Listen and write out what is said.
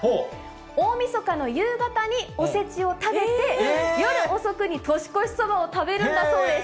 大みそかの夕方におせちを食べて、夜遅くに年越しそばを食べるんだそうです。